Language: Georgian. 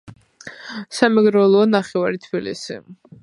სამეგრელოა ნახევარი თბილისი